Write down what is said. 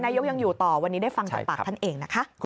ยังอยู่ต่อวันนี้ได้ฟังจากปากท่านเองนะคะ